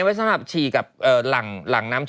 ว่ายังไง